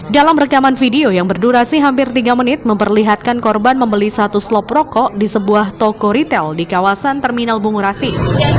dalam rekaman video yang berdurasi hampir tiga menit memperlihatkan korban membeli satu slop rokok di sebuah toko ritel di kawasan terminal bungurasi